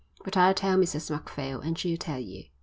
But I'll tell Mrs Macphail and she'll tell you."